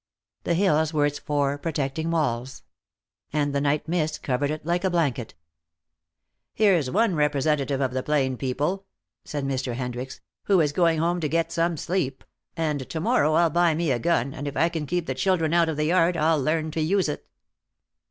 The hills were its four protecting walls. And the night mist covered it like a blanket. "Here's one representative of the plain people," said Mr. Hendricks, "who is going home to get some sleep. And tomorrow I'll buy me a gun, and if I can keep the children out of the yard I'll learn to use it."